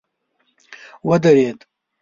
ودريد.